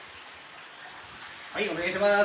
はいお願いします。